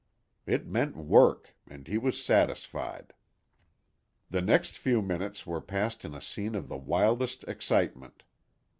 It meant work, and he was satisfied. The next few minutes were passed in a scene of the wildest excitement.